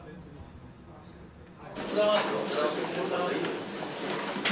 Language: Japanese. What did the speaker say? おはようございます。